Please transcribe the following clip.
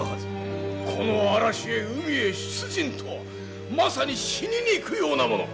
この嵐へ海へ出陣とはまさに死にに行くようなもの。